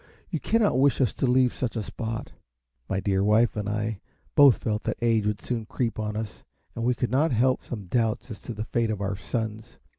You can not wish us to leave such a spot." My dear wife and I both felt that age would soon creep on us, and we could not help some doubts as to the fate of our sons.